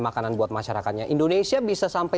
makanan buat masyarakatnya indonesia bisa sampai